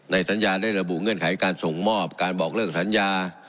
สัญญาได้ระบุเงื่อนไขการส่งมอบการบอกเลิกสัญญา